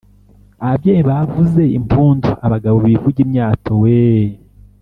ababyeyi bavuze impundu, abagabo bivuge imyato weee